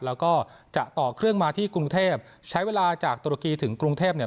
แล้วก็จะต่อเครื่องมาที่กรุงเทพใช้เวลาจากตุรกีถึงกรุงเทพเนี่ย